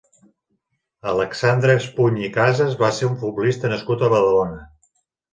Alexandre Espuny i Casas va ser un futbolista nascut a Badalona.